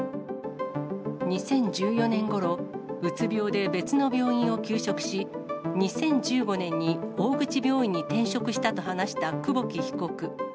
２０１４年ごろ、うつ病で別の病院を休職し、２０１５年に大口病院に転職したと話した久保木被告。